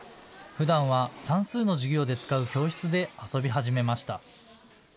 ふだんは算数の授業で使う教室で遊び始めました。